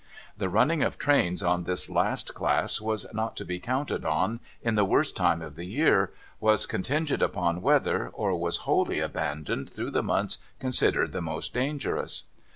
The running of trains on this last class was not to be counted on in the worst time of the year, was con tingent upon weather, or was wholly abandoned through the months considered the most dangerous.